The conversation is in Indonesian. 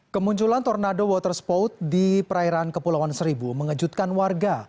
kemunculan tornado water spout di perairan kepulauan seribu mengejutkan warga